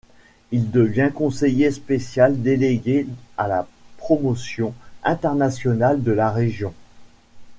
Il devient conseiller spécial délégué à la promotion internationale de la région.